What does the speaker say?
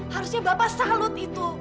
harusnya bapak salut itu